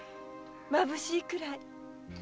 まぶしいくらい。